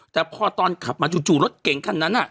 แต่พอตอนขับมาจู่รถเก่งคันนั้น